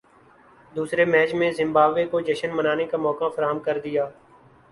دوسرے میچ میں زمبابوے کو جشن منانے کا موقع فراہم کردیا